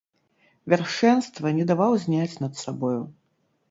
Вяршэнства не даваў зняць над сабою.